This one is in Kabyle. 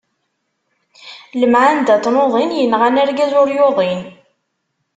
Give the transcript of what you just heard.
Lemɛenda n tnuḍin, yenɣan argaz ur yuḍin.